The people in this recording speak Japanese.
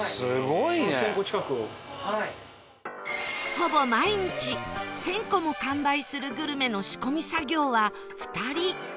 ほぼ毎日１０００個も完売するグルメの仕込み作業は２人